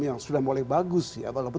yang sudah mulai bagus ya walaupun